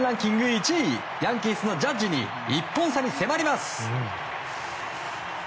１位ヤンキースのジャッジに１本差に迫ります。